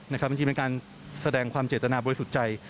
จริงเป็นการแสดงความเจตนาบริสุทธิ์ใจ